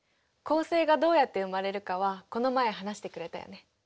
恒星がどうやって生まれるかはこの前話してくれたよね。